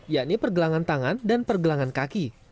yakni pergelangan tangan dan pergelangan kaki